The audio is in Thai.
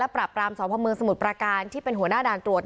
มีกล้วยติดอยู่ใต้ท้องเดี๋ยวพี่ขอบคุณ